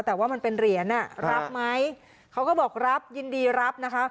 แต่ว่ามันเป็นเหรียญอ่ะรับไหมเขาก็บอกรับยินดีรับนะคะ